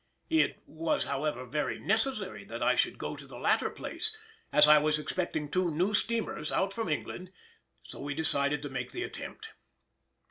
It was, however, very necessary that I should go to the latter place, as I was expecting two new steamers out from England, so we decided to make the attempt.